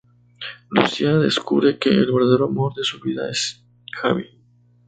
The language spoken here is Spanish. Lucía descubre que el verdadero amor de su vida es Javi.